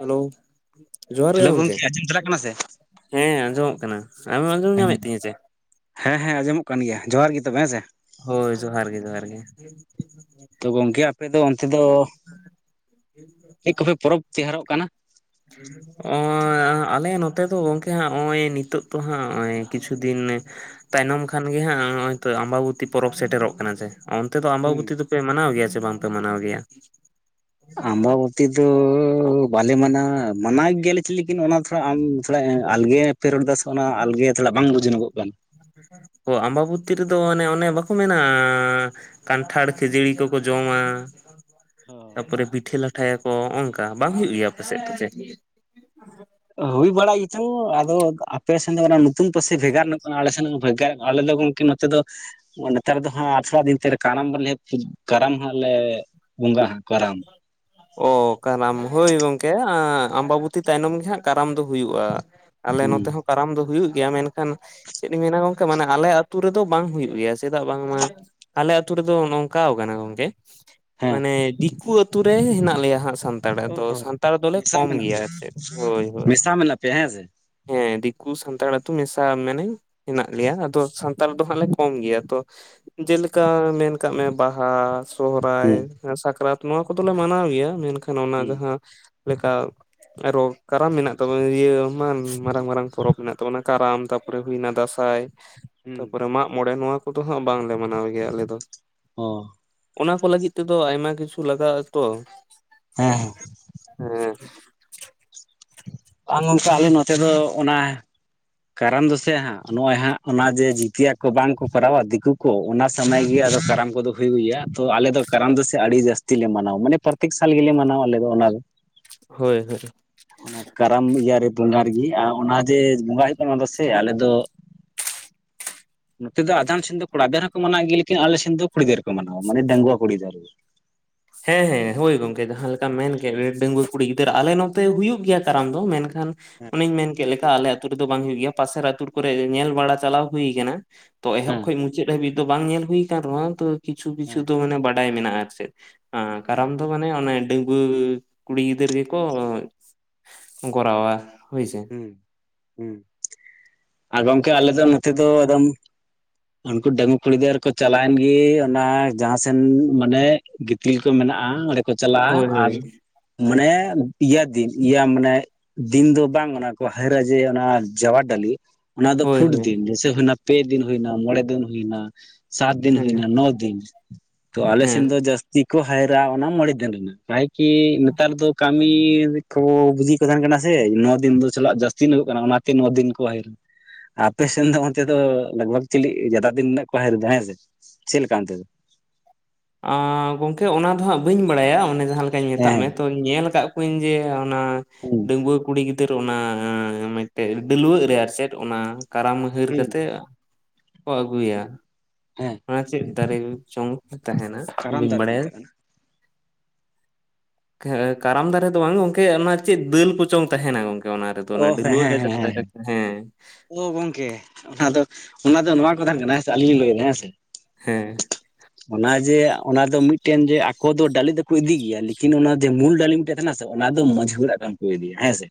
Hello ᱡᱚᱦᱟᱨ ᱜᱮ hello ᱜᱚᱝᱠᱮ ᱟᱸᱡᱚᱢ ᱪᱟᱞᱟᱜ ᱠᱟᱱᱟ ᱦᱮᱸ ᱟᱸᱡᱚᱢᱚᱜ ᱠᱟᱱᱟ ᱟᱢᱮᱢ ᱟᱸᱡᱚᱢ ᱦᱚᱸ ᱧᱟᱢᱮᱫ ᱛᱤᱧᱟᱹ ᱥᱮ ᱦᱮᱸ ᱦᱮᱸ ᱟᱸᱡᱚᱢᱚᱜ ᱠᱟᱱ ᱜᱮᱭᱟ ᱡᱚᱦᱟᱨ ᱜᱮ ᱛᱚᱵᱮ ᱦᱮᱸᱥᱮ ᱦᱳᱭ ᱡᱚᱦᱟᱨ ᱜᱮ ᱡᱚᱦᱟᱨ ᱜᱮ ᱛᱮᱫᱚ ᱪᱤᱫ ᱠᱚᱯᱮ ᱯᱚᱨᱚᱵᱽ ᱛᱮᱭᱟᱨᱚᱜ ᱠᱟᱱᱟ? ᱚ [inaudible] ᱟᱞᱮ ᱱᱚᱛᱮ ᱫᱚ ᱜᱚᱝᱠᱮ ᱦᱟᱸᱜ ᱱᱚᱜᱼᱚᱭ ᱱᱤᱛᱚᱜ ᱫᱚ ᱦᱟᱸᱜ ᱱᱚᱜᱼᱚᱭ ᱠᱤᱪᱷᱩ ᱫᱤᱱ ᱛᱟᱭᱱᱚᱢ ᱠᱷᱟᱱ ᱜᱮ ᱦᱟᱸᱜ [unintelligible] ᱛᱚ ᱟᱢᱵᱟᱵᱩ ᱯᱚᱨᱚᱵᱽ ᱥᱮᱴᱮᱨᱚᱜ ᱠᱟᱱᱟ ᱥᱮ ᱚᱱᱛᱮ ᱫᱚ ᱦᱩᱸ ᱟᱢᱵᱟᱵᱚᱛᱤ ᱫᱚᱯᱮ ᱢᱟᱱᱟᱣ ᱜᱮᱭᱟ ᱥᱮ ᱵᱟᱝᱯᱮ ᱢᱟᱱᱟᱣ ᱜᱮᱭᱟ? ᱟᱢᱵᱟᱵᱚᱛᱤ ᱫᱚ ᱵᱟᱞᱮ ᱢᱟᱱᱟᱣᱟ᱾ ᱢᱟᱱᱟᱣ ᱜᱮᱭᱟᱞᱮ ᱪᱚ ᱞᱮᱤᱠᱤᱱ ᱚᱱᱟ ᱛᱷᱚᱲᱟ ᱟᱢ ᱛᱷᱚᱲᱟ ᱟᱞᱜᱮ ᱯᱷᱮ ᱨᱚᱲ ᱫᱟ ᱥᱮ ᱚᱱᱟ ᱟᱞᱜᱮ ᱛᱷᱚᱲᱟ ᱵᱟᱝ ᱵᱩᱡᱷ ᱡᱷᱤᱱᱚᱜᱚᱜ ᱠᱟᱱ ᱟᱢᱵᱟᱵᱚᱛᱤ ᱨᱮᱫᱚ ᱚᱱᱮ ᱚᱱᱮ ᱵᱟᱠᱚ ᱢᱮᱱᱟ ᱠᱟᱱᱴᱷᱟᱲ ᱠᱷᱟᱹᱡᱲᱤ ᱠᱚᱠᱚ ᱡᱚᱢᱟ᱾ [inaudible] ᱛᱟᱨᱯᱚᱨᱮ ᱯᱤᱴᱷᱟᱹ ᱞᱟᱴᱷᱟᱭᱟᱠᱚ ᱱᱚᱜ ᱱᱚᱝᱠᱟ ᱵᱟᱝ ᱦᱩᱭᱩᱜ ᱜᱮᱭᱟ ᱟᱯᱮ ᱥᱮᱫ ᱛᱮ ᱪᱮᱫ? ᱦᱩᱭ ᱵᱟᱲᱟᱜ ᱜᱮᱪᱚᱝ ᱟᱫᱚ ᱟᱯᱮ ᱥᱮᱫ ᱫᱚ ᱚᱱᱟ ᱱᱚᱛᱩᱱ ᱯᱟᱹᱨᱥᱤ ᱵᱷᱮᱜᱟᱨ ᱧᱚᱜ ᱠᱟᱱᱟ ᱟᱞᱮ ᱥᱮᱱ ᱟᱞᱮ ᱫᱚ ᱜᱚᱢᱠᱮ ᱱᱚᱛᱮ ᱫᱚ ᱱᱮᱛᱟᱨ ᱫᱚ ᱦᱚᱸ ᱟᱴᱷᱚᱲᱟ ᱫᱤᱱ ᱠᱟᱨᱟᱢ ᱩ [unintelligible] ᱠᱟᱨᱟᱢ ᱚ ᱠᱟᱨᱟᱢ ᱦᱳᱭ ᱜᱚᱝᱠᱮ ᱟᱢᱵᱟᱵᱚᱛᱤ ᱛᱟᱭᱱᱚᱢ ᱜᱮᱸᱦᱟᱜ ᱠᱟᱨᱟᱢ ᱫᱚ ᱦᱩᱭᱩᱜᱼᱟ ᱟᱞᱮ ᱦᱩᱸ ᱱᱚᱛᱮ ᱦᱚᱸ ᱠᱟᱨᱟᱢ ᱫᱚ ᱦᱩᱭᱩᱜ ᱜᱮ ᱜᱮᱭᱟ ᱢᱮᱱᱠᱷᱟᱱ ᱪᱮᱫ ᱤᱧ ᱢᱮᱱᱟ ᱜᱚᱢᱠᱮ ᱢᱟᱱᱮ ᱟᱞᱮ ᱟᱹᱛᱩ ᱨᱮᱫᱚ ᱵᱟᱝ ᱦᱩᱭᱩᱜ ᱜᱮᱭᱟ ᱪᱮᱫᱟᱜ ᱵᱟᱝᱢᱟ ᱟᱞᱮ ᱟᱹᱛᱩ ᱨᱮᱫᱚ ᱱᱚᱝᱠᱟ ᱠᱟᱱᱟ ᱜᱚᱝᱠᱮ ᱦᱮᱸ ᱢᱟᱱᱮ ᱫᱤᱠᱩ ᱟᱛᱩ ᱨᱮ ᱦᱮᱸᱱᱟᱜ ᱞᱮᱭᱟ ᱦᱟᱸ ᱥᱟᱱᱛᱟᱲᱟᱜ ᱚ ᱫᱚ ᱦᱚᱸ ᱥᱟᱱᱛᱟᱲ ᱫᱚᱞᱮ ᱢᱮᱥᱟ ᱠᱚᱢ ᱢᱮᱱᱟᱜ ᱯᱮᱭᱟ? ᱜᱮᱭᱟ ᱟᱨ ᱪᱮᱫ ᱦᱳᱭ ᱦᱳ ᱢᱮᱥᱟ ᱢᱮᱱᱟᱜ ᱯᱮᱭᱟ ᱦᱮᱸ ᱥᱮ? ᱦᱮᱸ ᱫᱤᱠᱩ ᱥᱟᱱᱛᱟᱲ ᱟᱹᱛᱩ ᱢᱮᱥᱟ ᱢᱟᱱᱮ ᱦᱮᱱᱟᱜ ᱞᱮᱭᱟ ᱟᱫᱚ ᱥᱟᱱᱛᱟᱲ ᱫᱚ ᱦᱟᱸᱜ ᱞᱮ ᱠᱚᱢ ᱜᱮᱭᱟ ᱛᱚ ᱪᱮᱫ ᱞᱮᱠᱟ ᱢᱮᱱ ᱠᱟᱜ ᱢᱮ ᱵᱟᱦᱟ ᱥᱚᱦᱨᱟᱭ ᱦᱩᱸ᱾ ᱥᱟᱠᱨᱟᱛ ᱱᱚᱣᱟ ᱠᱚᱫᱚᱞᱮ ᱢᱟᱱᱟᱣ ᱜᱮᱭᱟ [unintelligible] ᱚᱱᱟ ᱦᱩᱸ ᱡᱟᱦᱟᱸ ᱞᱮᱠᱟ ᱟᱨᱚ ᱠᱟᱨᱟᱢ ᱢᱮᱱᱟᱜ ᱛᱟᱵᱚᱱᱟ ᱤᱭᱟᱹ ᱢᱟᱨᱟᱝ ᱢᱟᱨᱟᱝ ᱯᱚᱨᱚᱵᱽ ᱢᱮᱱᱟᱜ ᱛᱟᱵᱚᱱᱟ ᱠᱟᱨᱟᱢ ᱛᱟᱯᱚᱨᱮ ᱦᱩᱭᱱᱟ ᱫᱟᱸᱥᱟᱭ ᱦᱩᱸ ᱛᱟᱯᱚᱨᱮ ᱢᱟᱜ ᱢᱚᱬᱮ ᱱᱚᱣᱟ ᱠᱚᱫᱚ ᱦᱟᱸᱜ ᱵᱟᱝᱞᱮ ᱢᱟᱱᱟᱣ ᱜᱮᱭᱟ ᱟᱞᱮ ᱫᱚ ᱦᱚ [unintelligible] ᱚᱱᱟ ᱠᱚ ᱞᱟᱹᱜᱤᱫ ᱛᱮᱫᱚ ᱟᱭᱢᱟ ᱠᱤᱪᱷᱩ ᱞᱟᱜᱟᱜ-ᱟ ᱛᱚ ᱦᱮᱸ ᱦᱮᱸ [inaudible] ᱵᱟᱝ ᱜᱚᱢᱠᱮ ᱟᱞᱮ ᱱᱚᱛᱮ ᱫᱚ ᱚᱱᱟ ᱠᱟᱨᱚᱱ ᱫᱚᱥ ᱦᱟᱸᱜ ᱱᱚᱜᱼᱚᱭ ᱦᱟᱸᱜ ᱚᱱᱟ ᱡᱮ ᱡᱤᱛᱤᱭᱟ ᱠᱚ ᱵᱟᱝ ᱠᱚ ᱠᱚᱨᱟᱣᱟ ᱫᱤᱠᱩ ᱠᱚ ᱚᱱᱟ ᱥᱚᱢᱚᱭ ᱜᱮ ᱟᱞᱮ ᱫᱚ ᱠᱟᱨᱟᱢ ᱠᱚᱫᱚ ᱦᱩᱭᱩᱜ ᱜᱮᱭᱟ ᱛᱚ ᱟᱞᱮ ᱫᱚ ᱠᱟᱨᱟᱢ ᱫᱚ ᱟᱹᱰᱤ ᱡᱟᱹᱥᱛᱤ ᱞᱮ ᱢᱟᱱᱟᱣᱟ ᱢᱟᱱᱮ ᱯᱨᱚᱛᱮᱠ ᱥᱟᱞ ᱜᱮᱞᱮ ᱢᱟᱱᱟᱣᱟ ᱟᱞᱮ ᱫᱚ ᱚᱱᱟ ᱫᱚ ᱦᱳᱭ ᱦᱳᱭ ᱚᱱᱟ ᱠᱟᱨᱟᱢ ᱤᱭᱮ ᱵᱚᱸᱜᱟ ᱨᱮᱜᱮ ᱟᱨ ᱚᱱᱟ ᱡᱮ ᱵᱚᱸᱜᱟ ᱦᱩᱭᱩᱜ ᱠᱟᱱᱟ᱾ ᱚᱱᱟᱫᱚ ᱥᱮ ᱟᱞᱮ ᱫᱚ [inaudible] ᱱᱚᱛᱮ ᱫᱚ ᱟᱫᱷᱟᱱ ᱥᱮᱱ ᱫᱚ ᱠᱚ ᱢᱟᱱᱟᱣ ᱜᱮᱭᱟ ᱞᱮᱠᱤᱱ ᱟᱞᱮ ᱥᱮᱱ ᱫᱚ ᱠᱩᱲᱤ ᱜᱤᱫᱟᱹᱨ ᱠᱚ ᱢᱟᱱᱟᱣᱟ᱾ ᱢᱟᱱᱮ ᱰᱟᱝᱣᱟ ᱠᱩᱲᱤ ᱜᱤᱫᱟᱹᱨᱟᱹ [inaudible] ᱦᱮᱸ ᱦᱮᱸ ᱦᱳᱭ ᱜᱚᱝᱠᱮ ᱡᱟᱦᱟᱸ ᱞᱮᱠᱟᱢ ᱢᱮᱱ ᱠᱮᱫ ᱰᱟᱝᱜᱩᱟᱹ ᱠᱩᱲᱤ ᱜᱤᱫᱟᱹᱨᱟᱹ ᱟᱞᱮ ᱱᱚᱛᱮ ᱦᱩᱭᱩᱜ ᱜᱮᱭᱟ ᱠᱟᱨᱟᱢ ᱫᱚ ᱢᱮᱱᱠᱷᱟᱱ ᱠᱷᱟᱱ ᱦᱮᱸ᱾ ᱚᱱᱮᱧ ᱢᱮᱱ ᱠᱮᱫ ᱞᱮᱠᱟ ᱟᱞᱮ ᱟᱛᱩ ᱨᱮᱫᱚ ᱵᱟᱝ ᱦᱳᱭᱳ ᱜᱮᱭᱟ ᱯᱟᱥᱮᱨ ᱟᱛᱩᱨ ᱠᱚᱨᱮ ᱧᱮᱞ ᱵᱟᱲᱟ ᱪᱟᱞᱟᱣ ᱦᱩᱭ ᱠᱟᱱᱟ᱾ ᱛᱚ ᱮᱦᱚᱵ ᱦᱮᱸ᱾ ᱠᱷᱚᱱ ᱢᱩᱪᱟᱹᱫ ᱦᱟᱹᱵᱤᱡ ᱫᱚ ᱵᱟᱝ ᱧᱮᱞ ᱦᱩᱭᱩ ᱟᱠᱟᱱ ᱨᱮᱦᱚᱸ ᱛᱚ ᱠᱤᱪᱷᱩ ᱠᱤᱪᱷᱩ ᱦᱮᱸ ᱫᱚ ᱢᱟᱱᱮ ᱵᱟᱰᱟᱭ ᱢᱮᱱᱟᱜᱼᱟ ᱟᱨ ᱪᱮᱫ ᱦᱮᱸ ᱠᱟᱨᱟᱢ ᱫᱚ ᱢᱟᱱᱮ ᱚᱱ ᱰᱟᱺᱜᱣᱟᱹ ᱠᱩᱲᱤ ᱜᱤᱫᱟᱹᱨ ᱜᱮᱠᱚ ᱠᱚᱨᱟᱣᱟ ᱦᱳᱭ ᱥᱮ ᱦᱮᱸ ᱦᱮᱸ ᱟᱨ ᱜᱚᱢᱠᱮ ᱟᱞᱮ ᱫᱚ ᱱᱚᱛᱮ ᱫᱚ ᱮᱠᱫᱚᱢ ᱩᱱᱠᱩ ᱰᱟᱺᱜᱣᱩ ᱠᱩᱲᱤ ᱜᱤᱫᱽᱨᱟᱹᱨ ᱠᱚ ᱪᱟᱞᱟᱣᱮᱱ ᱜᱮ ᱚᱱᱟ ᱡᱟᱦᱟᱸᱥᱱ ᱢᱟᱱᱮ ᱜᱤᱛᱤᱞ ᱠᱚ ᱢᱮ ᱢᱮᱱᱟᱜᱼᱟ᱾ ᱠᱚ ᱪᱟᱞᱟᱜᱼᱟ ᱦᱳᱭ ᱟᱨ ᱦᱳᱭ ᱢᱟᱱᱮ ᱤᱭᱟᱹ ᱫᱤᱱ ᱤᱭᱟᱹ ᱢᱟᱱᱮ ᱫᱤᱱ ᱫᱚ ᱵᱟᱝ ᱚᱱᱟ ᱠᱚ ᱦᱟᱭᱨᱟ ᱡᱮ ᱚᱱᱟ ᱡᱟᱣᱟᱨ ᱰᱟᱹᱞᱤ ᱚᱱᱟ ᱫᱚ ᱦᱳᱭ ᱯᱷᱩᱴ ᱦᱳᱭ ᱫᱤᱱ ᱡᱮᱭᱥᱮᱱᱟ᱾ ᱯᱮ ᱫᱤᱱ ᱦᱩᱭᱱᱟ, ᱢᱚᱬᱮ ᱫᱤᱱ ᱦᱩᱭᱱᱟ, ᱥᱟᱛ ᱫᱤᱱ ᱦᱮᱸ ᱦᱩᱭᱱᱟ ᱱᱚ ᱫᱤᱱ ᱛᱚ ᱟᱞᱮ ᱦᱮᱸ ᱥᱮᱱ ᱫᱚ ᱡᱟᱹᱥᱛᱤ ᱠᱚ ᱦᱟᱭᱨᱟᱜ ᱚᱱᱟ ᱢᱚᱬᱮ ᱫᱤᱱ ᱨᱮᱱᱟᱜ ᱠᱤ ᱱᱮᱛᱟᱨ ᱫᱚ ᱟ ᱠᱚᱵ ᱵᱩᱡ ᱠᱚ ᱛᱟᱦᱮᱟᱱ ᱠᱟᱱᱟ ᱥᱮ ᱫᱤᱱ ᱫᱚ ᱪᱟᱞᱟᱜ ᱡᱟᱹᱥᱛᱤ ᱧᱚᱜᱚᱜ ᱠᱟᱱᱟ ᱚᱱᱟᱛᱮ ᱱᱚᱣᱟ ᱫᱤᱱ ᱠᱚ ᱦᱤᱨᱱᱟ ᱟᱯᱮ ᱥᱮᱱ ᱫᱚ ᱚᱱᱛᱮ ᱫᱚ ᱞᱟᱜᱽᱵᱷᱟᱜᱽ ᱪᱤᱞᱤ ᱡᱫᱟᱜ ᱫᱤᱱ ᱨᱮᱱᱟᱜ ᱠᱚ ᱦᱤᱨ ᱫᱟ ᱦᱮᱸ ᱥᱮ ᱪᱮᱫ ᱞᱮᱠᱟ ᱚᱱᱛᱮ ᱫᱚ? ᱟᱸᱼ ᱜᱚᱢᱠᱮ ᱚᱱᱟ ᱫᱚ ᱦᱟᱸᱜ ᱵᱟᱹᱧ ᱵᱟᱲᱟᱭᱟ ᱚᱱᱮ ᱡᱟᱦᱟᱸ ᱞᱮᱠᱟᱧ ᱢᱮᱛᱟᱜ ᱢᱮ ᱦᱮᱸ ᱛᱚ᱾ ᱧᱮᱞ ᱟᱠᱟᱫ ᱠᱚᱣᱟᱧ ᱡᱮ ᱚᱱᱟ ᱦᱮᱸ ᱰᱟᱺᱜᱣᱟᱹ ᱠᱩᱲᱤ ᱜᱤᱫᱟᱹᱨ ᱚᱱᱟᱼᱼ ᱢᱤᱫᱴᱮᱡ ᱰᱟᱹᱞᱣᱟᱹᱜ ᱨᱮ ᱪᱮᱫ ᱚᱱᱟ ᱠᱟᱨᱟᱢ ᱦᱟᱹᱨ ᱦᱮᱸ ᱠᱟᱛᱮᱜ ᱠᱚ ᱟᱹᱜᱩᱭᱟ᱾ ᱦᱮᱸ ᱚᱱᱟ ᱪᱮᱫ ᱫᱟᱨᱮ ᱪᱚᱝ ᱛᱟᱦᱮᱱᱟ ᱤ ᱠᱟᱨᱟᱢ ᱵᱟᱹᱧ ᱫᱟᱨᱮ ᱠᱚ ᱵᱟᱲᱟᱭᱟ᱾ ᱢᱮᱛᱟᱜ ᱠᱟᱱᱟ ᱠᱟᱨᱟᱢ ᱫᱟᱨᱮ ᱫᱚ ᱵᱟᱝ ᱜᱚᱝᱠᱮ ᱚᱱᱟ ᱪᱮᱫ ᱫᱟᱹᱞ ᱠᱚᱪᱚᱝ ᱛᱟᱦᱮᱱᱟ ᱜᱚᱝᱠᱮ᱾ ᱚᱱᱟ ᱨᱮᱫᱚ ᱚ ᱚᱱᱟ ᱦᱮᱸ ᱰᱟᱹᱞᱣᱟᱹᱜ ᱦᱮᱸ ᱨᱮ ᱡᱟᱦᱟᱸ ᱦᱮᱸ ᱦᱮᱸ ᱛᱟᱦᱮᱸ ᱚ ᱜᱚᱝᱠᱮ ᱚᱱᱟ ᱫᱚ ᱚᱱᱟ ᱫᱚ ᱱᱚᱣᱟ ᱠᱟᱛᱦᱟ ᱠᱟᱱᱟ ᱦᱸ ᱟᱹᱞᱤᱧ ᱞᱤᱧ ᱞᱟᱹᱭᱮᱫᱟ ᱦᱮᱸ ᱥᱮ ᱦᱮᱸ ᱚᱱᱟ ᱡᱮ ᱚᱱᱟ ᱫᱚ ᱢᱤᱫᱴᱮᱱ ᱡᱮ ᱟᱠᱚ ᱫᱚ ᱰᱟᱹᱞᱤ ᱫᱚᱠᱚ ᱤᱫᱤ ᱜᱮᱭᱟ ᱞᱮᱠᱤᱱ ᱚᱱᱟ ᱡᱮ ᱢᱩᱞ ᱰᱟᱹᱞᱤ ᱢᱤᱫᱴᱮᱱ ᱛᱟᱦᱮᱱᱟ ᱥᱮ ᱚᱱᱟ ᱫᱚ ᱢᱟᱺᱡᱷᱤᱦᱟᱨᱟᱼᱜ ᱠᱟᱱᱟ᱾ ᱠᱚ ᱤᱫᱤᱭᱟ ᱦᱮᱸᱥᱮ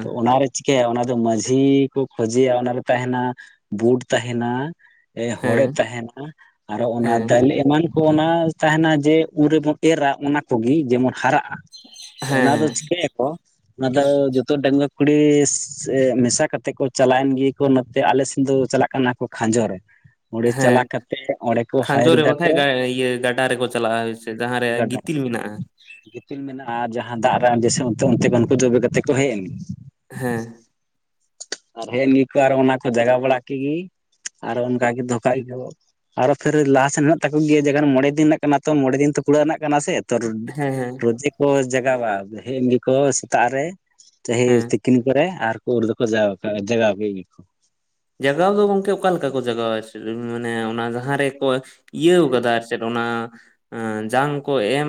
ᱛᱚ ᱚᱱᱟᱨᱮ ᱪᱤᱠᱟᱹᱭᱟ ᱚᱱᱟ ᱫᱚ ᱢᱟᱺᱡᱷᱤ ᱠᱚ ᱠᱷᱚᱡᱮᱭᱟ ᱚᱱᱟᱨᱮ ᱛᱟᱦᱮᱱᱟ ᱵᱩᱴ ᱛᱟᱦᱮᱱᱟ ᱮ ᱦᱚᱲᱮ ᱦᱮᱸ ᱛᱟᱦᱮᱱᱟ ᱟᱨᱚ ᱚᱱᱟ ᱦᱮᱸ ᱫᱟᱹᱞᱮ ᱮᱢᱟᱱ ᱚᱱᱟ ᱛᱟᱦᱮᱱᱟ ᱡᱮ ᱩᱱᱨᱮᱵᱚᱱ ᱮᱨᱟ ᱚᱱᱟ ᱠᱚᱜᱮ ᱡᱮᱢᱚᱱ ᱦᱟᱨᱟᱜᱼᱟ᱾ ᱚᱱᱟ ᱫᱚ ᱦᱮᱸ ᱪᱤᱠᱟᱹᱭᱟᱠᱚ ᱚᱱᱟ ᱫᱚ ᱡᱚᱛᱚ ᱰᱟᱝᱜᱩᱟᱹ ᱠᱩᱲᱤ ᱢᱮᱥᱟ ᱠᱟᱛᱮ ᱛᱮ ᱠᱚ ᱪᱟᱞᱟᱣᱮᱱ ᱜᱮ ᱠᱚ ᱱᱚᱛᱮ ᱟᱞᱮ ᱥᱮᱱ ᱫᱚ ᱪᱟᱞᱟᱜ ᱠᱟᱱᱟ ᱠᱚ ᱠᱷᱟᱸᱡᱚ ᱨᱮ ᱚᱸᱰᱮ ᱦᱮᱸ ᱪᱟᱞᱟᱣ ᱠᱟᱛᱮᱫ ᱚᱸᱰᱮ ᱠᱚ ᱠᱷᱟᱸᱡᱚ ᱦᱟᱭᱤᱨ ᱨᱮ ᱫᱟᱠᱚ ᱵᱟᱠᱷᱟᱡ ᱜᱟᱰᱟ ᱨᱮᱠᱚ ᱪᱟᱞᱟᱜᱼᱟ᱾ ᱡᱟᱦᱟᱸᱨᱮ ᱜᱟᱰᱟ ᱜᱤᱛᱤᱞ ᱢᱮᱱᱟᱜᱼᱟ᱾ ᱜᱤᱛᱤᱞ ᱢᱮᱱᱟᱜᱼᱟ ᱟᱨ ᱡᱟᱦᱟᱸ ᱫᱟᱜ ᱨᱮ ᱡᱥᱮ ᱚᱱ ᱚᱱᱛᱮ ᱩᱱᱠᱩ ᱡᱚᱵᱮ ᱠᱟᱛᱮ ᱠᱚ ᱦᱮᱡ ᱮᱱ ᱦᱮᱸ ᱟᱨ ᱦᱮᱸ ᱱᱤᱭᱟᱹ ᱠᱚ ᱟᱨ ᱚᱱᱟ ᱠᱚ ᱡᱟᱜᱟ ᱵᱟᱲᱟ ᱠᱮᱫᱜᱮ ᱟᱨᱚ ᱚᱱᱠᱟᱟᱜ ᱜᱮ ᱫᱷᱚᱠ ᱟᱨᱚ ᱯᱷᱮᱨ ᱞᱟᱦᱟ ᱥᱮᱱ ᱦᱮᱱᱟᱜ ᱛᱟᱠᱚ ᱜᱮᱭᱟ ᱡᱮᱠᱷᱚᱱ ᱢᱚᱬᱮ ᱫᱤᱱ ᱨᱮᱱᱟᱜ ᱠᱟᱱᱟ ᱛᱚ ᱢᱬᱮ ᱫᱤᱱ ᱛᱚ ᱠᱩᱲᱟᱹ ᱨᱮᱱᱟᱜ ᱠᱟᱱᱟ ᱥᱮ ᱛᱚ ᱦᱮᱸ ᱦᱮᱸ ᱨᱚᱡᱤ ᱠᱚ ᱡᱟᱜᱟᱣᱟ ᱦᱮᱡ ᱮᱱ ᱜᱮᱠᱚ ᱥᱮᱛᱟᱜ ᱨᱮ ᱦᱮᱸ ᱛᱤᱠᱤᱱ ᱠᱚᱨᱮ ᱟᱨ ᱠᱚ ᱫᱚᱠᱚ ᱡᱟᱜᱟᱣ ᱜᱮ ᱤᱭᱟᱹ ᱠᱚ ᱡᱟᱜᱟᱣ ᱫᱚ ᱜᱚᱝᱠᱮ ᱚᱠᱟᱞᱮᱠᱟ ᱠᱚ ᱡᱟᱜᱟᱣᱟ ᱢᱟᱱᱮ ᱚᱱᱟ ᱡᱟᱦᱟᱸ ᱨᱮᱠᱚ ᱤᱭᱟᱹᱣ ᱠᱟᱫᱟ ᱟᱨ ᱪᱮᱫ ᱚ? ᱮᱸ ᱮᱸ ᱡᱟᱝ ᱠᱚ ᱮᱢ᱾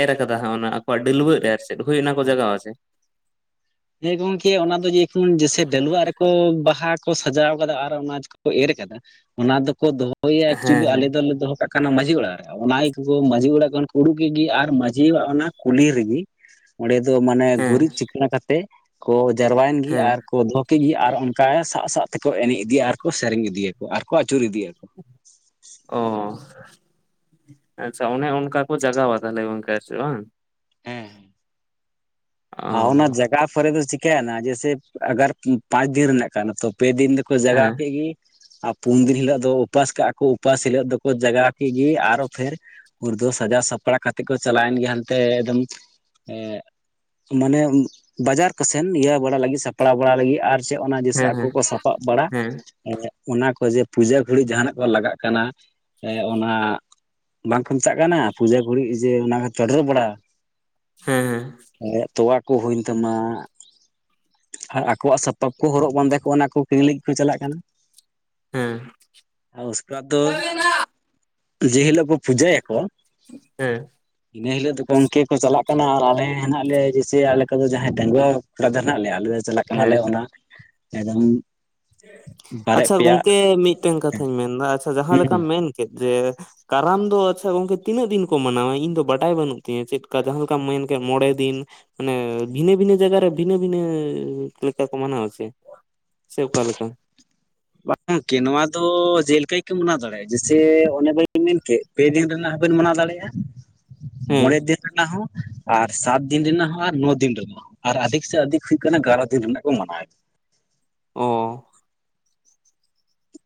ᱮᱨ ᱠᱟᱫᱟᱜ ᱚᱱᱟ ᱚ ᱰᱟᱹᱞᱣᱟᱹᱜ ᱨᱮ ᱟᱨ ᱪᱮᱫ ᱦᱳᱣ ᱚᱱᱟ ᱠᱚ ᱦᱮᱸ ᱡᱟᱜᱟ ᱟ ᱥᱮ ᱦᱮᱸ ᱜᱚᱝᱠᱮ ᱚᱱᱟ ᱫᱚ ᱡᱮᱢᱚᱱ ᱡᱥᱮ ᱰᱟᱹᱞᱩᱣᱟᱜ ᱨᱮᱠᱚ ᱵᱟᱦᱟ ᱠᱚ ᱥᱟᱡᱟᱣ ᱠᱟᱫᱟ ᱟᱨ ᱚᱱᱟ ᱠᱚ ᱮᱨ ᱚᱱᱟ ᱫᱚᱠᱚ ᱫᱚᱦᱚᱭᱟ ᱮᱠᱪᱩᱭᱮᱞᱤ ᱟᱞᱮ ᱦᱮᱸ ᱫᱚᱞᱮ ᱫᱚᱦᱚ ᱠᱟᱜ ᱠᱟᱱᱟ ᱢᱟᱺᱡᱷᱤ ᱚᱲᱟᱜ ᱨᱮ ᱚᱱᱟᱠᱚ ᱢᱟᱺᱡᱷᱤ ᱚᱲᱟᱜ ᱠᱷᱚᱱ ᱩᱰᱩᱠᱜᱮ ᱟᱨ ᱢᱟᱺᱡᱷᱤ ᱚᱲᱟᱜ ᱚᱱᱟ ᱠᱩᱞᱤ ᱨᱮᱜᱮ ᱚᱸᱰᱮ ᱫᱚ ᱢᱟᱱᱮ ᱦᱮᱸ ᱦᱮᱸ ᱜᱩᱨᱤᱡ ᱪᱤᱠᱟᱹᱬ ᱠᱟᱛᱮᱜ ᱠᱚ ᱡᱟᱨᱣᱟᱭᱮᱱ ᱜᱮ ᱦᱮᱸ ᱟᱨ ᱠᱚ ᱫᱚᱦᱚ ᱠᱮᱫ ᱜᱮ ᱟᱨ ᱚᱱᱠᱟ ᱥᱟᱵ ᱥᱟᱵ ᱛᱮᱠᱚ ᱮᱱᱮᱡ ᱤᱫᱤᱭᱟ ᱟᱨᱠᱚ ᱥᱮᱨᱮᱧ ᱤᱫᱤᱭᱟᱠᱚ ᱟᱨᱠᱚ ᱟᱹᱪᱩᱨ ᱤᱫᱤᱭᱟᱠᱚ᱾ ᱚ ᱟᱪᱪᱷᱟ ᱚᱱᱮ ᱚᱱᱠᱟ ᱠᱚ ᱡᱟᱜᱟᱣᱟ ᱛᱟᱦᱞᱮ ᱜᱚᱝᱠᱮ ᱪᱮ ᱵᱟᱝ? ᱦᱮᱸ ᱼ ᱟᱨ ᱚᱱᱟ ᱚ ᱡᱟᱜᱟ ᱯᱚᱨᱮ ᱫᱚ ᱪᱤᱠᱟᱹᱭᱮᱱᱟ ᱡᱮᱭᱥᱮ ᱟᱜᱟᱨ ᱯᱟᱸᱪ ᱫᱤᱱ ᱨᱮᱱᱟᱜ ᱠᱟᱱᱟ ᱛᱚ ᱯᱮ ᱫᱤᱱ ᱫᱚᱠᱚ ᱡᱟᱜᱟᱣ ᱦᱮᱸ ᱠᱮᱫ ᱜᱮ ᱟᱨ ᱯᱩᱱ ᱫᱤᱱ ᱦᱤᱞᱳᱜ ᱫᱚ ᱩᱯᱟᱹᱥ ᱠᱟᱜᱼᱟ ᱠᱚ ᱩᱯᱟᱹᱥ ᱦᱤᱞᱳᱜ ᱫᱚᱠᱚ ᱡᱟᱜᱟᱣ ᱠᱮᱫ ᱜᱮ ᱟᱨᱚ ᱯᱷᱮᱨ [unintelligible] ᱫᱚ ᱥᱟᱡᱟᱣ ᱥᱟᱯᱲᱟᱣ ᱠᱟᱛᱮ ᱠᱚ ᱪᱟᱞᱟᱣᱮᱱ ᱜᱮᱭᱟ ᱦᱟᱱᱛᱮ ᱮᱫᱚᱢ ᱢᱟᱱᱮ ᱵᱟᱡᱟᱨ ᱠᱚᱥᱮᱱ ᱤᱭᱟᱹ ᱵᱟᱲᱟ ᱞᱟᱹᱜᱤᱫ ᱥᱟᱯᱲᱟᱣ ᱵᱟᱲᱟ ᱞᱟᱹᱜᱤᱫ ᱟᱨ ᱪᱮ ᱚᱱᱟ ᱡᱮᱥᱮ ᱦᱮᱸ ᱟᱠᱚ ᱦᱮᱸ ᱠᱚ ᱥᱟᱯᱟᱵ ᱵᱟᱲᱟ ᱦᱮᱸ ᱟᱜ ᱚᱱᱟ ᱠᱚ ᱡᱮ ᱯᱩᱡᱟᱹ ᱜᱷᱟᱹᱲᱤ ᱡᱟᱦᱟᱱᱟᱜ ᱠᱚ ᱞᱟᱜᱟᱜ ᱠᱟᱱᱟ ᱚᱱᱟ ᱵᱟᱝ ᱠᱚ ᱢᱮᱫᱟᱜ ᱠᱟᱱᱟ ᱯᱩᱡᱟᱹ ᱜᱩᱲᱤ ᱡᱮ ᱚᱱᱟ ᱠᱚ ᱪᱚᱰᱚᱨ ᱵᱟᱲᱟ ᱦᱮᱸᱼ ᱮᱸᱼ ᱛᱚᱣᱟ ᱠᱚ ᱦᱩᱭᱮᱱ ᱛᱟᱢᱟ ᱟᱨ ᱟᱠᱚᱣᱟᱜ ᱥᱟᱯᱟᱯ ᱠᱚ ᱦᱚᱨᱚᱜ ᱵᱟᱸᱫᱮ ᱠᱚᱜ ᱚᱱᱟ ᱠᱚ ᱠᱤᱨᱤᱧ ᱞᱟᱹᱜᱤᱫ ᱠᱚ ᱪᱟᱞᱟᱜ ᱠᱟᱱᱟ᱾ ᱦᱮᱸ [unintelligible] ᱫᱚ ᱦᱮᱸ ᱡᱮ ᱦᱤᱞᱳᱜ ᱠᱚ ᱯᱩᱡᱟᱹᱭᱟᱠᱚ ᱦᱮᱸ ᱤᱱᱟᱹ ᱦᱤᱞᱳᱜ ᱫᱚ ᱜᱚᱝᱠᱮ ᱠᱚ ᱪᱟᱞᱟᱜ ᱠᱟᱱᱟ ᱟᱨ ᱟᱞᱮ ᱦᱮᱱᱟᱜ ᱞᱮᱭᱟ ᱡᱮᱭᱥᱮ ᱟᱞᱮ ᱠᱚᱫᱚ ᱡᱟᱦᱟᱸᱭ ᱰᱟᱹᱝᱜᱩᱣᱟᱹᱠᱚᱲᱟ ᱜᱤᱫᱽᱨᱟᱹ ᱦᱮᱱᱟᱜ ᱞᱮᱭᱟ ᱟᱞᱮ ᱫᱚ ᱪᱟᱞᱟᱜ ᱦᱮᱸ ᱠᱟᱱᱟᱞᱮ ᱚᱱᱟ ᱮᱫᱚᱢ ᱟᱪᱪᱷᱟ ᱜᱚᱝᱠᱮ ᱢᱤᱫᱴᱮᱱ ᱠᱟᱛᱷᱟᱧ ᱢᱮᱱᱫᱟ ᱟᱪᱪᱷᱟ ᱦᱩᱸ ᱡᱟᱦᱟᱸᱞᱮᱠᱟᱢ ᱢᱮᱱ ᱠᱮᱫ ᱡᱮ ᱠᱟᱨᱟᱢ ᱫᱚ ᱟᱪᱪᱷᱟ ᱜᱚᱝᱠᱮ ᱛᱤᱱᱟᱹᱜ ᱫᱤᱱ ᱠᱚ ᱢᱟᱱᱟᱣᱟ ᱤᱧ ᱫᱚ ᱵᱟᱰᱟᱭ ᱵᱟᱹᱱᱩᱜ ᱛᱤᱧᱟᱹ ᱪᱮᱫᱠᱟ ᱡᱟᱦᱟᱸ ᱞᱮᱠᱟᱢ ᱢᱮᱱ ᱢᱚᱬᱮ ᱫᱤᱱ ᱢᱟᱱᱮ ᱵᱷᱤᱱᱟᱹ ᱵᱷᱤᱱᱟᱹ ᱡᱟᱭᱜᱟ ᱨᱮ ᱵᱷᱤᱱᱟᱹ ᱵᱷᱤᱱᱟᱹ ᱞᱮᱠᱟᱠᱚ ᱢᱟᱱᱟᱣ ᱪᱮ ᱥᱮ ᱚᱠᱟᱞᱮ ᱞᱮᱠᱟ? ᱵᱟᱝᱠᱮ ᱱᱚᱣᱟ ᱫᱚ ᱪᱮᱞᱮᱠᱟ ᱠᱚ ᱢᱟᱱᱟᱣ ᱫᱟᱲᱮᱭᱟᱜᱼᱟ ᱡᱮᱭᱥᱮ ᱚᱱᱮ ᱵᱟᱹᱧ ᱢᱮᱱᱠᱮᱫ ᱯᱮ ᱫᱤᱱ ᱨᱮᱱᱟᱜ ᱵᱮᱱ ᱢᱟᱱᱟᱣ ᱫᱟᱲᱮᱭᱟᱜᱼᱟ ᱦᱮᱸ ᱢᱚᱬᱮ ᱫᱤᱱ ᱨᱮᱱᱟᱜ ᱦᱚᱸ᱾ ᱟᱨ ᱥᱟᱛ ᱫᱤᱱ ᱨᱮᱱᱟᱜ ᱦᱚᱸ ᱟᱨ ᱱᱚ ᱫᱤᱱ ᱨᱮᱱᱟᱜ ᱦᱚᱸ ᱟᱨ ᱟᱫᱷᱤᱠ ᱥᱮ ᱟᱫᱷᱤᱠ ᱦᱩᱭᱩᱜ ᱠᱟᱱᱟ ᱵᱟᱨᱚ ᱫᱤᱱ ᱨᱮᱱᱟᱜ ᱠᱚ ᱢᱟᱱᱟᱣᱮᱫ ᱫᱟ᱾ [inaudible] ᱚ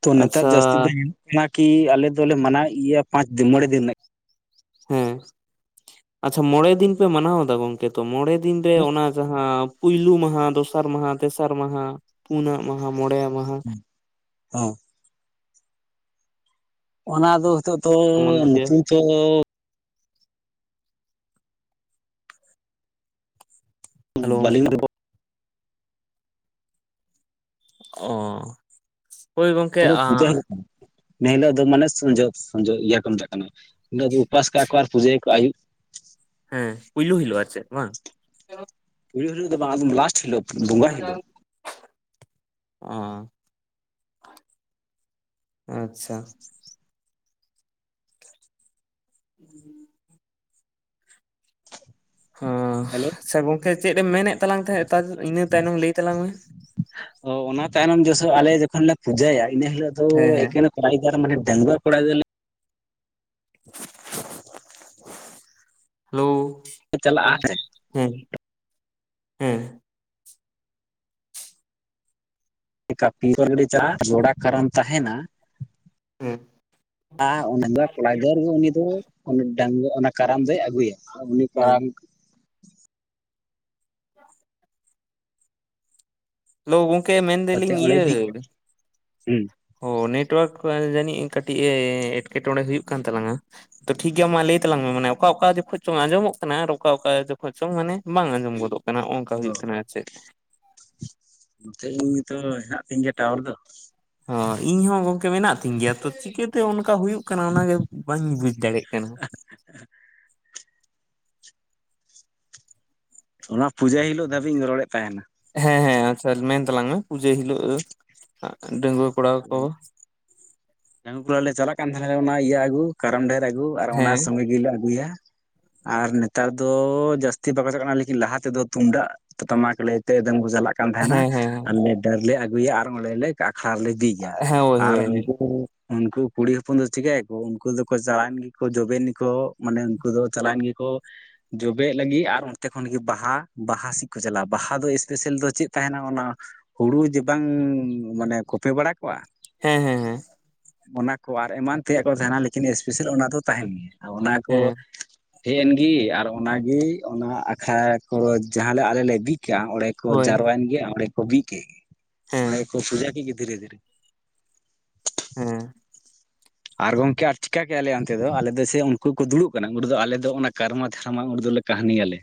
ᱛᱚ ᱱᱮᱛᱟᱨ ᱟᱪᱪᱷᱟ ᱡᱟᱹᱥᱛᱤ ᱫᱚ ᱧᱮᱞᱚᱜ ᱠᱟᱱᱟ ᱠᱤ ᱟᱞᱮ ᱫᱚᱞᱮ ᱢᱟᱱᱟᱣᱮᱫ ᱜᱮᱭᱟ ᱯᱟᱸᱪ ᱫᱤᱱ ᱢᱚᱬᱮ ᱫᱤᱱ ᱨᱮᱱᱟᱜ᱾ ᱦᱮᱸ ᱟᱪᱪᱷᱟ ᱢᱚᱬᱮ ᱫᱤᱱ ᱯᱮ ᱢᱟᱱᱟᱣ ᱮᱫᱟ ᱜᱚᱝᱠᱮ ᱛᱚ ᱢᱚᱬᱮ ᱫᱤᱱ ᱢᱚᱲᱮ ᱫᱤᱱ ᱨᱮ ᱚᱱᱟ ᱡᱟᱦᱟᱸ ᱯᱩᱭᱞᱩ ᱢᱟᱦᱟ ᱫᱚᱥᱟᱨ ᱢᱟᱦᱟ ᱛᱮᱥᱟᱨ ᱢᱟᱦᱟ ᱯᱩᱱᱟᱜ ᱢᱟᱦᱟ ᱢᱚᱬᱮ ᱢᱟᱦᱟ ᱢᱟᱦᱟ ᱦᱮᱸ ᱚᱱᱟ ᱫᱚ ᱦᱤᱛᱚᱜ ᱫᱚ ᱮᱢᱚᱱ ᱜᱮ ᱧᱩᱛᱩᱢ ᱛᱚ ᱦᱮᱞᱳ ᱵᱟᱹᱞᱤᱧ [unintelligible] ᱚ ᱦᱳᱭ ᱜᱚᱢᱠᱮ [unintelligible] ᱮᱱᱦᱤᱞᱳᱜ ᱢᱟᱱᱮ ᱥᱚᱧᱡᱳᱜ ᱥᱚᱧᱡᱚᱜ ᱤᱭᱟᱹ ᱠᱚ ᱢᱮᱛᱟᱜ ᱠᱟᱱᱟ ᱫᱚ ᱩᱯᱟᱹᱥ ᱠᱟᱜᱼᱟ ᱠᱚ ᱟᱨ ᱯᱩᱡᱟᱹᱭᱟᱠᱚ ᱟᱹᱭᱩᱵ᱾ [inaudible] ᱦᱮᱸ ᱯᱩᱭᱞᱳ ᱦᱤᱞᱳ ᱟᱨ ᱪᱮ ᱵᱟᱝ? ᱯᱩᱭᱞᱩ ᱦᱤᱞᱳᱜ ᱫᱚ ᱵᱟᱝ ᱟ ᱞᱟᱥᱴ ᱦᱤᱞᱳᱜ ᱵᱚᱸᱜᱟ ᱦᱤᱞᱳᱜ᱾ ᱚ ᱟᱪᱪᱷᱟ ᱦᱩᱸ ᱦᱮᱞᱳ ᱦᱮ ᱜᱚᱢᱠᱮ ᱪᱮᱫ ᱮᱢ ᱢᱮᱱᱮᱫ ᱛᱟᱞᱟᱝ ᱛᱟᱦᱮᱸᱜ ᱤᱱᱟᱹ ᱛᱟᱭᱱᱚᱢ ᱞᱟᱹᱭ ᱛᱟᱞᱟᱝ ᱢᱮ᱾ ᱚ ᱚᱱᱟᱛᱮ ᱟᱞᱮ ᱡᱚᱠᱷᱚᱱ ᱞᱮ ᱯᱩᱡᱟᱭᱟ ᱤᱱᱟᱹ ᱦᱤᱞᱳᱜ ᱫᱚ ᱦᱮᱸ ᱦᱮᱸ ᱮᱠᱮᱱ ᱠᱚᱲ ᱜᱤᱫᱽᱨᱟᱹ ᱢᱟᱱᱮ ᱰᱟᱹᱝᱜᱩᱣᱟᱹ ᱠᱚᱲᱟ ᱜᱤᱫᱟᱹᱨ [unintelligible] ᱦᱮᱞᱳ ᱞᱮ ᱪᱟᱞᱟᱜᱼᱟ ᱦᱮᱸ ᱦᱮᱸ ᱯᱤ [unintelligible] ᱜᱟᱹᱰᱤ ᱪᱟᱞ ᱡᱚᱲᱟ ᱠᱟᱨᱚᱱ ᱛᱟᱦᱮᱱᱟ ᱦᱮᱸ ᱟᱨ ᱚᱱᱟ ᱫᱚ ᱠᱚᱲᱟ ᱜᱟᱹᱨ ᱜᱮ ᱩᱱᱤ ᱫᱚ ᱰᱟᱹᱝᱣᱟᱹ ᱚᱱᱟ ᱠᱟᱨᱟᱢ ᱫᱚᱭ ᱟᱹᱜᱩᱭᱟ ᱩᱱᱤ ᱦᱮᱸ ᱠᱟᱨᱟᱢ ᱦᱮᱞᱳ ᱜᱚᱢᱠᱮ ᱠᱟᱛᱮ ᱢᱮᱱᱫᱟᱞᱤᱧ ᱚᱸᱰᱮ ᱤᱭᱟᱹ ᱵᱤᱠᱤ ᱦᱩᱸ ᱚ ᱱᱮᱴᱚᱣᱟᱨᱠ ᱡᱟᱹᱱᱤᱡ ᱠᱟᱹᱴᱤᱡ ᱮ ᱮᱸᱴᱠᱮᱴᱚᱬᱮ ᱦᱩᱭᱩᱜ ᱠᱟᱱ ᱛᱟᱞᱟᱝᱼᱟ ᱛᱚ ᱴᱷᱤᱠᱜᱮᱭᱟ ᱢᱟ ᱞᱟᱹᱭ ᱛᱟᱞᱟᱝ ᱢᱮ ᱢᱟᱱᱮ ᱚᱠᱟ ᱚᱠᱟ ᱡᱚᱠᱷᱚᱱ ᱪᱚᱝ ᱟᱸᱡᱚᱢᱚᱜ ᱠᱟᱱᱟ ᱟᱨ ᱚᱠᱟ ᱚᱠᱟ ᱡᱚᱠᱷᱚᱡ ᱪᱚᱝ ᱢᱟᱱᱮ ᱵᱟᱝ ᱟᱸᱡᱚᱢ ᱜᱚᱫᱚᱜ ᱠᱟᱱᱟ ᱦᱚᱸ ᱱᱚᱝᱠᱟ ᱚ ᱦᱩᱭᱩᱜ ᱠᱟᱱᱟ ᱟᱨ ᱪᱮᱫ ᱱᱚᱛᱮ ᱤᱧ ᱱᱤᱛᱚ ᱦᱮᱱᱟᱜ ᱛᱤᱧ ᱜᱮᱭᱟ ᱴᱟᱣᱟᱨ ᱫᱚ ᱦᱚᱸ ᱤᱧ ᱦᱚᱸ ᱜᱚᱝᱠᱮ ᱢᱮᱱᱟᱜ ᱛᱤᱧ ᱜᱮᱭᱟ ᱛᱚ ᱪᱤᱠᱟᱹᱛᱮ ᱚᱱᱠᱟ ᱠᱟ ᱦᱩᱭᱩᱜ ᱠᱟᱱᱟ ᱚᱱᱟᱜᱮ ᱵᱟᱹᱧ ᱵᱩᱡᱽ ᱫᱟᱲᱮᱭᱟᱜ ᱠᱟᱱᱟ ᱚᱱᱟ ᱯᱩᱡᱟᱹ ᱦᱤᱞᱳᱜ ᱫᱷᱟᱹᱵᱤᱡ ᱤᱧ ᱨᱚᱲᱮᱫ ᱛᱟᱦᱮᱱᱟ ᱦᱮᱸ ᱦᱮᱸ ᱟᱪᱪᱷᱟ ᱢᱮᱱ ᱛᱟᱞᱟᱝ ᱢᱮ ᱯᱩᱡᱟᱹ ᱦᱤᱞᱳᱜ ᱰᱟᱺᱜᱩᱭᱟᱹ ᱠᱚᱲᱟ ᱠᱚ ᱰᱟᱹᱝᱜᱩᱭᱟᱹ ᱠᱚᱲᱟ ᱞᱮ ᱪᱟᱞᱟᱜ ᱠᱟᱱ ᱛᱟᱦᱮᱱᱟ ᱚᱱᱟ ᱤᱭᱟᱹ ᱟᱹᱜᱩ ᱠᱟᱨᱟᱢ ᱰᱷᱟᱹᱨ ᱟᱹᱜᱩ ᱟᱨ ᱚᱱᱟ ᱦᱮᱸ ᱥᱚᱸᱜᱮ ᱜᱮᱞᱮ ᱟᱹᱜᱩᱭᱟ ᱟᱨ ᱱᱮᱛᱟᱨ ᱫᱚ ᱡᱟᱹᱥᱛᱤ ᱵᱟᱠᱚᱪᱟᱜ ᱠᱟᱱᱟ ᱞᱮᱠᱤᱱ ᱞᱟᱦᱟ ᱛᱮᱫᱚ ᱛᱩᱢᱫᱟᱜ ᱴᱟᱢᱟᱠ ᱞᱟᱹᱭ ᱛᱮ ᱪᱟᱞᱟᱜ ᱠᱟᱱ ᱛᱟᱦᱮᱱᱟ ᱦᱮᱸ ᱦᱮᱸ ᱟᱞᱮ ᱰᱟᱹᱨ ᱞᱮ ᱟᱹᱜᱩᱭᱟ ᱟᱨ ᱚᱸᱰᱮᱞᱮ ᱠᱟᱜ ᱦᱟᱨ ᱞᱮ ᱵᱤᱡᱟ ᱦᱮᱸ ᱦᱳᱭ ᱟᱨ ᱦᱳᱭ ᱩᱱᱠᱩ ᱩᱱᱠᱩ ᱠᱩᱲᱤ ᱦᱚᱯᱚᱱ ᱫᱚ ᱪᱤᱠᱟᱹᱭᱟᱠᱚ ᱩᱱᱠᱩ ᱫᱚᱠᱚ ᱪᱟᱞᱟᱣᱮᱱ ᱜᱮᱠᱚ ᱡᱚᱵᱮᱱ ᱜᱮᱠᱚ ᱢᱟᱱᱮ ᱩᱱᱠᱩ ᱫᱚ ᱪᱟᱞᱟᱣᱮᱱ ᱜᱮᱠᱚ ᱠᱚ ᱡᱚᱵᱮᱜ ᱞᱟᱹᱜᱤᱫ ᱟᱨ ᱚᱱᱛᱮ ᱠᱷᱚᱱ ᱜᱮ ᱵᱟᱦᱟ ᱵᱟᱦᱟ ᱥᱮᱫ ᱠᱚ ᱪᱟᱞᱟᱜᱼᱟ ᱵᱟᱦᱟ ᱫᱚ ᱮᱥᱯᱮᱥᱟᱞ ᱫᱚ ᱪᱮᱫ ᱛᱟᱦᱮᱱᱟ ᱚᱱᱟ ᱦᱩᱲᱩ ᱡᱮ ᱵᱟᱝ ᱢᱟᱱᱮ ᱠᱚᱯᱮ ᱵᱟᱲᱟ ᱠᱚᱜᱣᱟ ᱦᱮᱸ ᱦᱮᱸ ᱦᱮᱸ ᱚᱱᱟ ᱠᱚ ᱟᱨ ᱮᱢᱟᱱ ᱛᱮᱭᱟᱜ ᱠᱚ ᱛᱟᱦᱮᱱᱟ ᱞᱮᱠᱤᱱ ᱮᱥᱯᱮᱥᱟᱞ ᱚᱱᱟ ᱫᱚ ᱛᱟᱦᱮᱱ ᱜᱮᱭᱟ ᱚᱱᱟ ᱠᱚ ᱦᱮᱸ ᱦᱮᱡ ᱮᱱᱜᱤ ᱟᱨ ᱚᱱᱟᱜᱮ ᱚᱱᱟ ᱟᱠᱷᱚᱲᱟ ᱠᱷᱚᱨᱚᱪ ᱡᱟᱦᱟᱸᱞᱮ ᱟᱞᱮ ᱞᱮ ᱵᱤᱫᱽ ᱚᱸᱰᱮ ᱠᱚ ᱦᱳᱭ ᱡᱟᱨᱣᱟᱭᱮᱱ ᱜᱮᱭᱟ ᱚᱸᱰᱮ ᱠᱚ ᱵᱤᱫ ᱠᱮᱫ ᱜᱮ ᱚᱸᱰᱮ ᱦᱮᱸ ᱠᱚ ᱯᱩᱡᱟ ᱠᱮᱫ ᱜᱮ ᱫᱷᱤᱨᱮ ᱫᱷᱤᱨᱮ ᱦᱮᱸ ᱟᱨ ᱜᱚᱢᱠᱮ ᱟᱪᱠᱟᱜᱮ ᱟᱞᱮ ᱚᱱᱛᱮ ᱫᱚ ᱟᱞᱮ ᱫᱚ ᱥᱮ ᱩᱱᱠᱩ ᱠᱚ ᱫᱩᱲᱩᱵ ᱠᱟᱱᱟ ᱩᱱᱸᱰᱮ ᱫᱚ ᱟᱞᱮ ᱫᱚ ᱚᱱᱟ ᱠᱨᱢᱟ ᱫᱚᱨᱢᱟ ᱩᱱ ᱫᱚ ᱠᱟᱦᱟᱱᱤ ᱟᱞᱮ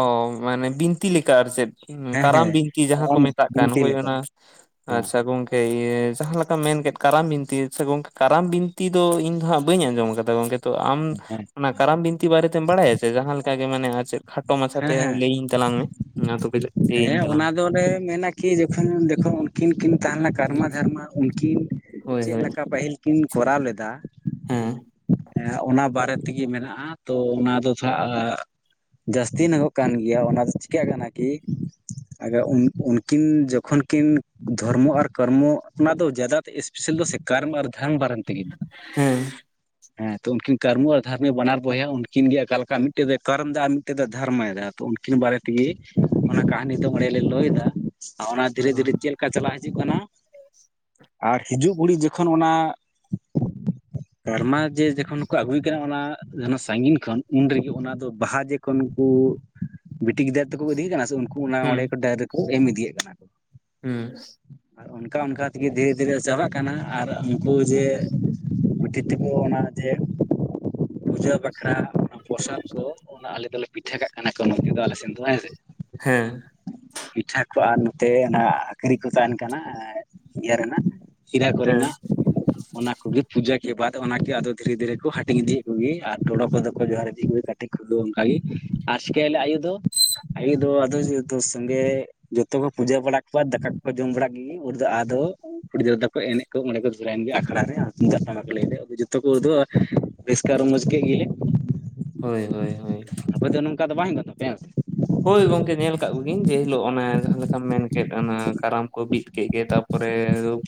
ᱚ ᱢᱟᱱᱮ ᱵᱤᱱᱛᱤ ᱞᱮᱠᱟ ᱟᱨ ᱪᱮᱫ ᱦᱮᱸ ᱠᱟᱨᱟᱢ ᱦᱮᱸ ᱵᱤᱱᱛᱤ ᱡᱟᱦᱟᱸ ᱠᱚ ᱠᱟᱨᱟᱢ ᱢᱮᱛᱟᱜ ᱠᱟᱱ ᱵᱤᱱᱛᱤ ᱦᱳᱭ ᱞᱮᱠᱟ ᱚᱱᱟ ᱦᱮᱸ ᱟᱪᱪᱷᱟ ᱜᱚᱝᱠᱮ ᱡᱟᱦᱟᱸ ᱞᱮᱠᱟᱢ ᱢᱮᱱ ᱠᱮᱫ ᱠᱟᱨᱟᱢ ᱵᱤᱱᱛᱤ ᱥᱮ ᱜᱚᱝᱠᱮ ᱠᱟᱨᱟᱢ ᱵᱤᱱᱛᱤ ᱫᱚ ᱤᱧ ᱫᱚ ᱦᱟᱸᱜ ᱵᱟᱹᱧ ᱟᱸᱡᱚᱢ ᱠᱟᱫᱟ ᱜᱚᱝᱠᱮ ᱛᱚ ᱟᱢ ᱚᱱᱟ ᱠᱟᱨᱟᱢ ᱵᱤᱱᱛᱤ ᱵᱟᱨᱮᱛᱮᱢ ᱵᱟᱲᱟᱭ ᱟᱪᱮ ᱡᱟᱦᱟᱸ ᱞᱮᱠᱟ ᱜᱮ ᱢᱟᱱᱮ ᱟ ᱪᱮ ᱠᱷᱟᱴᱚ ᱢᱟᱪᱷᱟᱛᱮ ᱦᱮᱸ ᱦᱮᱸ ᱞᱟᱹᱭᱟᱹᱧ ᱛᱟᱞᱟᱝ ᱢᱮ ᱱᱟᱫᱩ ᱦᱮᱸ ᱚᱱᱟ ᱫᱚᱞᱮ ᱢᱮᱱᱟ ᱠᱤ ᱡᱚᱠᱷᱚᱱ ᱡᱠᱷᱚᱱ ᱩᱱᱠᱤᱱ ᱠᱤᱱ ᱛᱟᱦᱮᱸᱞᱱᱟ ᱠᱟᱨᱢᱟ ᱫᱷᱟᱨᱢᱟ ᱩᱱ ᱠᱤᱱ ᱦᱳᱭ ᱪᱮᱫ ᱦᱳᱭ ᱞᱮᱠᱟ ᱯᱟᱹᱦᱤᱞ ᱠᱤᱱ ᱠᱚᱨᱟᱣ ᱞᱮᱫᱟ ᱦᱮᱸ ᱦᱸ ᱚᱱᱟ ᱵᱟᱨᱮ ᱛᱮᱜᱮ ᱢᱮᱱᱟᱜᱼᱟ ᱛᱚ ᱚᱱᱟ ᱫᱚ ᱛᱟ ᱡᱟᱹᱥᱛᱤ ᱧᱚᱜᱚᱜ ᱠᱟᱱ ᱜᱮᱭᱟ ᱚᱱᱟ ᱫᱚ ᱪᱤᱠᱟᱹᱜ ᱠᱟᱱᱟ ᱠᱤ ᱩᱱᱠᱤᱱ ᱡᱚᱠᱷᱚᱱ ᱠᱤᱱ ᱫᱷᱚᱨᱢᱚ ᱟᱨ ᱠᱚᱨᱢᱚ ᱚᱱᱟ ᱫᱚ ᱡᱟᱫᱟ ᱮᱥᱯᱮᱥᱟᱞ ᱥᱮᱠᱟᱨᱢ ᱟᱨ ᱫᱷᱟᱱ ᱵᱟᱨᱟᱝ ᱦᱮᱸ ᱦᱮᱸ ᱛᱚ ᱩᱱᱠᱤᱱ ᱠᱟᱨᱢᱩ ᱟᱨ ᱫᱷᱚᱨᱢᱮ ᱵᱟᱱᱟᱨ ᱵᱚᱭᱦᱟ ᱩᱱᱠᱤᱱ ᱜᱮ ᱚᱠᱟ ᱞᱮᱠᱟ ᱢᱤᱫᱴᱮᱱ ᱫᱚᱭ ᱠᱚᱨᱢ ᱮᱫᱟ ᱟᱨ ᱢᱤᱫᱴᱮᱡ ᱫᱚᱭ ᱫᱷᱚᱨᱢᱚᱭ ᱮᱟ ᱩᱱᱠᱤᱱ ᱵᱟᱨᱮ ᱛᱮᱜᱮ ᱚᱱᱟ ᱠᱟᱹᱦᱱᱤ ᱫᱚ ᱢᱚᱬᱮ ᱞᱮ ᱞᱟᱹᱭ ᱮᱫᱟ ᱚᱱᱟ ᱫᱷᱤᱨᱮ ᱫᱷᱤᱨᱮ ᱪᱮᱫ ᱞᱮᱠᱟ ᱞᱮᱠᱟ ᱪᱟᱞᱟᱜ ᱦᱤᱡᱩᱜ ᱠᱟᱱᱟ [inaudible] ᱟᱨ ᱦᱤᱡᱩᱜ ᱠᱷᱚᱲᱤᱡ ᱡᱚᱠᱷᱚᱱ ᱚᱱᱟ ᱥᱮᱨᱢᱟ ᱡᱮ ᱡᱚᱠᱷᱚᱱ ᱠᱚ ᱟᱹᱜᱩᱭ ᱠᱟᱱᱟ ᱚᱱᱟ ᱥᱺᱜᱤᱧ ᱠᱷᱚᱱ ᱩᱱᱨᱮᱜᱮ ᱚᱱᱟ ᱫᱚ ᱵᱟᱦᱟ ᱡᱮᱠᱷᱚᱱ ᱠᱩ ᱠᱩ ᱵᱤᱴᱤ ᱜᱤᱫᱟᱹᱨ ᱛᱮᱠᱚ ᱤᱫᱤᱭᱮᱜ ᱠᱟᱱᱟ ᱥᱮ ᱩᱱᱠᱩ ᱚᱱᱟ ᱦᱩᱸ ᱚᱸᱰᱮ ᱠᱚ ᱰᱭᱨᱮᱜ ᱠᱩ ᱮᱢ ᱤᱫᱤᱭᱮᱫ ᱠᱟᱱᱟ ᱠᱚ ᱦᱩᱸ ᱟᱨ ᱚᱱᱠᱟ ᱚᱱᱠᱟ ᱛᱮᱜᱮ ᱫᱷᱤᱨᱮ ᱫᱷᱤᱨᱮ ᱪᱟᱞᱟᱜ ᱠᱟᱱᱟ ᱟᱨ ᱩᱱᱠᱩ ᱡᱮ ᱵᱤᱴᱤ ᱛᱮᱠᱚ ᱚᱱᱟ ᱡᱮ ᱯᱩᱡᱟᱹ ᱵᱟᱠᱷᱨᱟ ᱯᱨᱚᱥᱟᱫ ᱠᱚ ᱚᱱᱟ ᱟᱞᱮ ᱫᱚᱞᱮ ᱯᱤᱴᱷᱟᱹ ᱠᱟᱜ ᱠᱟᱱᱟ ᱠᱚ ᱱᱚᱛᱮ ᱫᱚ ᱟᱞᱮ ᱥᱮᱱ ᱦᱮᱸ ᱯᱤᱴᱷᱟ ᱠᱚ ᱛᱮ ᱚᱱᱟ ᱟᱠᱷᱨᱤ ᱠᱚ ᱛᱟᱦᱮᱱ ᱠᱟᱱᱟ ᱤᱭᱟᱹ ᱨᱮᱱᱟᱜ ᱠᱷᱤᱨᱟ ᱦᱮᱸ ᱠᱚᱨᱮᱱᱟᱜ ᱚᱱᱟ ᱠᱚᱜᱮ ᱯᱩᱡᱟᱹ ᱠᱮ ᱵᱟᱫ ᱚᱱᱟᱠᱮ ᱟᱫᱚ ᱫᱷᱤᱨᱮ ᱫᱷᱤᱨᱮ ᱦᱟᱹᱴᱤᱝ ᱤᱫᱤ ᱮᱫ ᱠᱚᱜᱮᱭᱟ ᱟᱫ ᱴᱚᱰᱚ ᱠᱚᱫᱚᱠᱚ ᱡᱚᱦᱟᱨ ᱤᱸᱫᱤᱭᱟ ᱠᱟᱹᱴᱤᱡ ᱠᱚᱫᱚ ᱚᱱᱠᱟᱜ ᱜᱮ [unintelligible] ᱟᱭᱩ ᱫᱚ ᱟᱭᱩ ᱫᱚ ᱟᱫᱚ ᱡᱚᱛᱩ ᱥᱚᱸᱜᱮ ᱡᱚᱛᱚ ᱠᱚ ᱯᱩᱡᱟᱹ ᱵᱟᱲᱟ ᱠᱚᱣᱟ ᱫᱟᱠᱟ ᱠᱚᱠᱚ ᱡᱚᱢ ᱵᱟᱲᱟ ᱜᱮ ᱩᱱ ᱫᱚ ᱟ ᱟᱫᱚ ᱠᱩᱲᱤᱤᱫᱨᱟ ᱠᱚ ᱮᱱᱮᱡ ᱠᱚ ᱚᱸᱰᱮ ᱠᱚ ᱫᱷᱚᱨᱟᱭᱮᱱ ᱜᱮᱭᱟ ᱟᱠᱷᱲᱟ ᱨᱮ ᱛᱩᱢᱫᱟᱜ ᱴᱟᱢᱟᱠ ᱠᱚ ᱞᱟᱹᱭᱭᱟ ᱟᱫᱚ ᱡᱚᱛᱚ ᱠᱚᱫᱚ ᱨᱟᱹᱥᱠᱟᱹ ᱨᱚᱢᱚᱡᱽ ᱠᱮᱫ ᱜᱮᱞᱮ ᱦᱳᱭ ᱦᱳᱭ ᱦᱳᱭ ᱟᱯᱮ ᱫᱚ ᱱᱚᱝᱠᱟ ᱫᱚ ᱵᱟᱝ ᱜᱟᱱᱚᱜᱼᱟ ᱯᱮᱭᱟ [inaudible] ᱦᱳᱭ ᱜᱚᱝᱠᱮ ᱧᱮᱞ ᱠᱟᱜ ᱠᱚᱜᱤᱧ ᱡᱮ ᱦᱤᱞᱳᱜ ᱚᱱᱮ ᱡᱟᱦᱟᱸᱮ ᱞᱮᱠᱟᱢ ᱢᱮᱱ ᱠᱮᱫ ᱚᱱᱟ ᱠᱟᱨᱟᱢ ᱠᱚ ᱵᱤᱫ ᱠᱮᱫ ᱜᱮ ᱛᱟᱨᱯᱚᱨᱮ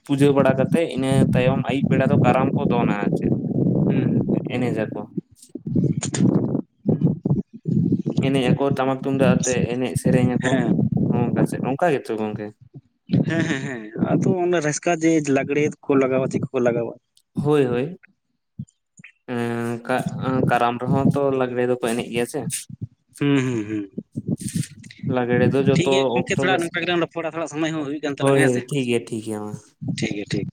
ᱯᱩᱡᱟᱹ ᱵᱟᱲᱟ ᱠᱟᱛᱮᱮᱫ ᱤᱱᱟᱹ ᱛᱟᱭᱚᱢ ᱟᱹᱭᱩᱵ ᱵᱮᱲᱟ ᱫᱚ ᱠᱟᱨᱟᱢ ᱠᱚ ᱫᱚᱱᱟ᱾ ᱪᱮᱫ [inaudible] ᱮᱱᱮᱡ ᱡᱟᱠᱚ [unintelligible] ᱮᱱᱮᱡ ᱟᱠᱚ ᱴᱟᱢᱟᱠ ᱛᱩᱢᱫᱟᱜ ᱟᱛᱮᱜ ᱮᱱᱮᱡ ᱥᱮᱨᱮᱧ ᱟᱠᱚ ᱦᱮᱸ ᱱᱚᱝᱠᱟ ᱥᱮᱜ ᱱᱚᱝᱠᱟ ᱜᱮᱛᱚ ᱜᱚᱝᱠᱮ ᱦᱮᱸ ᱦᱮᱸ ᱦᱮᱸ ᱟᱫᱚ ᱚᱱᱟ ᱨᱟᱹᱥᱠᱟᱹ ᱡᱮ ᱞᱟᱜᱽᱲᱮ ᱠᱚ ᱞᱟᱜᱟᱣᱟ ᱪᱮᱫ ᱠᱚᱠᱚ ᱞᱟᱜᱟᱣᱟ᱾ ᱦᱳᱭ ᱦᱳᱭ ᱠᱟᱨᱟᱢ ᱨᱮᱦᱚᱸ ᱛᱚ ᱞᱟᱜᱽᱲᱮ ᱫᱚ ᱮᱱᱮᱡ ᱜᱮᱭᱟ ᱥᱮ ᱦᱩᱸ ᱦᱩᱸ ᱦᱩᱸ ᱞᱟᱜᱽᱲᱮ ᱫᱚ ᱴᱷᱤᱠ ᱡᱚᱛᱚ ᱜᱮᱭᱟ ᱜᱚᱢᱠᱮ ᱚᱠᱛᱚ ᱛᱷᱚᱲᱟ ᱜᱮ ᱱᱚᱝᱠᱟ ᱜᱮᱞᱟᱝ ᱨᱚᱯᱚᱲᱟ ᱛᱷᱚᱲᱟ ᱥᱚᱢᱚᱭ ᱦᱚᱸ ᱦᱩᱭᱩᱜ ᱠᱟᱱ ᱦᱳᱭ ᱛᱟᱞᱟᱝᱟ ᱦᱮᱸ ᱦᱳᱭ ᱥᱮ ᱴᱷᱤᱠ ᱜᱮᱭᱟ ᱴᱷᱤᱠ ᱜᱮᱭᱟ ᱢᱟ ᱴᱷᱤᱠ ᱜᱮ ᱴᱷᱤᱠ